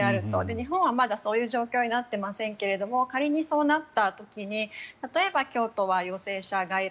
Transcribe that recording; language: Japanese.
日本はまだそういう状況になっていませんが仮にそうなった時に例えば京都は陽性者外来